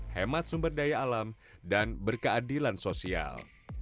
hemat sumber daya alam dan berkeadilan sosial